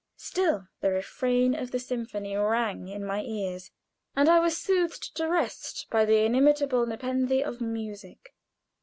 Still the refrain of the symphony rang in my ears, and I was soothed to rest by the inimitable nepenthe of music.